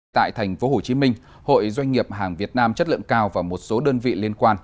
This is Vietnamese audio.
tại thành phố hồ chí minh hội doanh nghiệp hàng việt nam chất lượng cao và một số đơn vị liên quan